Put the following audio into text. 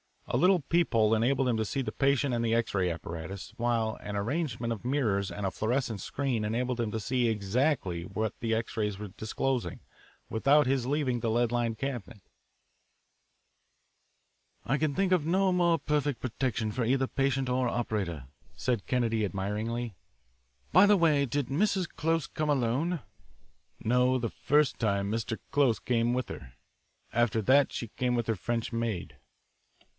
A little peep hole enabled him to see the patient and the X ray apparatus, while an arrangement of mirrors and a fluorescent screen enabled him to see exactly what the X rays were disclosing, without his leaving the lead lined cabinet. "I can think of no more perfect protection for either patient or operator," said Kennedy admiringly. "By the way, did Mrs. Close come alone?" "No, the first time Mr. Close came with her. After that, she came with her French maid."